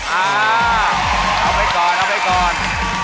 เอาไปก่อน